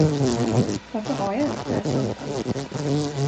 Varför har jag ens det här samtalet?